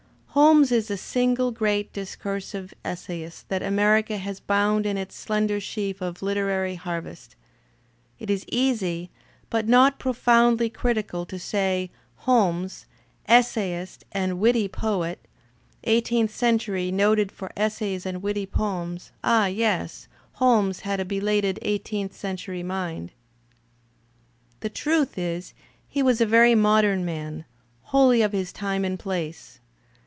Holmes is the single great discursive essayist \ that America has bound in its slender sheaf of literary har I vest. It is easy, but not profoundly critical to say, "Holmes — essayist, and witty poet — eighteenth century, noted for essays and witty poems — ah, yes. Holmes had a belated eighteenth century mind." The truth is he was a very modem man, wholly of his time and place.